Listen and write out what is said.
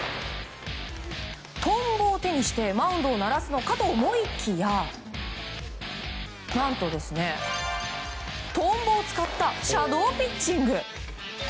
トンボを手にしてマウンドをならすのかと思いきや何と、トンボを使ったシャドーピッチング。